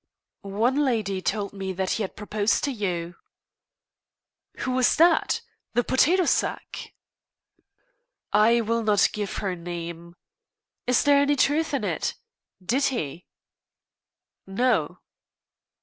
"One lady told me that he had proposed to you." "Who was that? The potato sack?" "I will not give her name. Is there any truth in it? Did he?" "No."